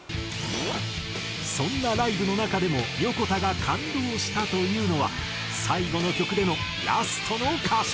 そんなライブの中でもヨコタが感動したというのは最後の曲でのラストの歌唱。